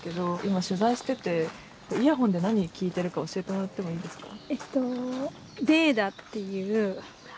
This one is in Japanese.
ま取材しててイヤホンで何聴いてるか教えてもらってもいいですか？